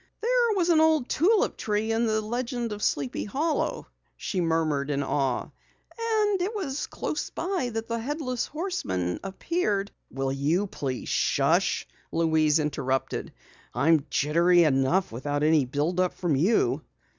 "There was an old tulip tree in the Legend of Sleepy Hollow," she murmured in awe. "And it was close by that the Headless Horseman appeared " "Will you please hush?" Louise interrupted. "I'm jittery enough without any build up from you!"